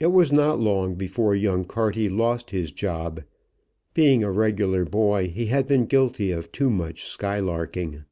It was not long before young Carty lost his job. Being a regular boy, he had been guilty of too much skylarking.